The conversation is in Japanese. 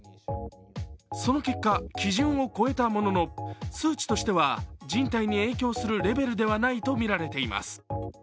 その結果、基準を超えたものの、数値としては人体に影響するレベルではないとみられています。